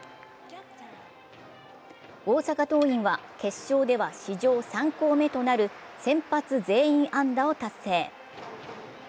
大阪桐蔭は決勝では、史上３校目となる先発全員安打を達成。